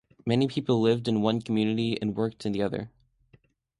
Many people lived in one community and worked in the other.